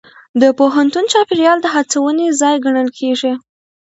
د پوهنتون چاپېریال د هڅونې ځای ګڼل کېږي.